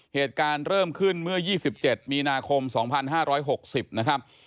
เหตุการณ์เริ่มขึ้นเมื่อ๒๗มีนาคม๒๕๖๐นะครับ